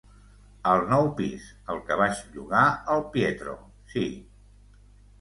Al nou pis, el que vaig llogar al Pietro, sí.